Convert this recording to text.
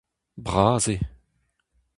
Bras eo !